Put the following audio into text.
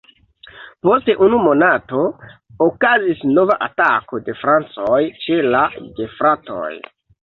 Post unu monato okazis nova atako de francoj ĉe la gefratoj.